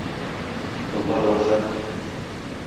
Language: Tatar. Монда вәхшәт